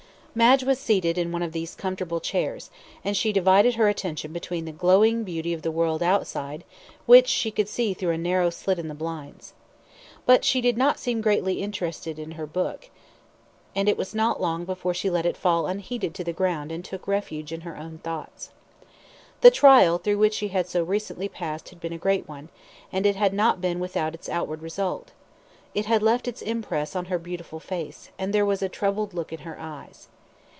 Madge was seated in one of these comfortable chairs, and she divided her attention between the glowing beauty of the world outside, which she could see through a narrow slit in the blinds. But she did not seem greatly interested in her book, and it was not long before she let it fall unheeded to the ground and took refuge in her own thoughts. The trial through which she had so recently passed had been a great one, and it had not been without its outward result. It had left its impress on her beautiful face, and there was a troubled look in her eyes.